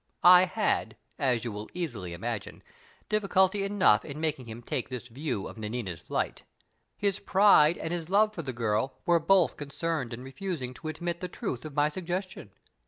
I had, as you will easily imagine, difficulty enough in making him take this view of Nanina's flight. His pride and his love for the girl were both concerned in refusing to admit the truth of my suggestion.